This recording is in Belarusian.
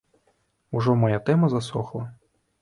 Ужо мая тэма засохла.